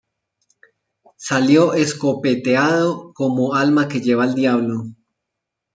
Salió escopeteado como alma que lleva el diablo